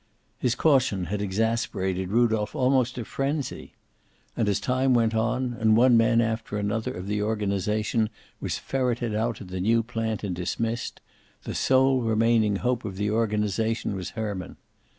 His caution had exasperated Rudolph almost to frenzy. And as time went on, and one man after another of the organization was ferreted out at the new plant and dismissed, the sole remaining hope of the organization was Herman.